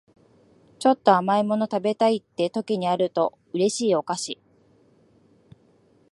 ちょっと甘い物食べたいって時にあると嬉しいお菓子